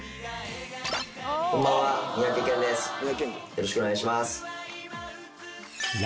よろしくお願いします。